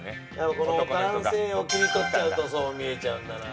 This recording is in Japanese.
この男性を切り取っちゃうとそう見えちゃうんだな。